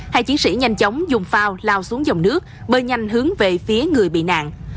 hai chiến sĩ nhanh chóng dùng phao lao xuống dòng nước bơi nhanh hướng về phía người bị nạn